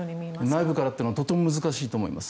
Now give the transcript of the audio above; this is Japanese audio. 内部からというのはとても難しいと思います。